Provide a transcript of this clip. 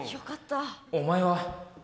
お前は。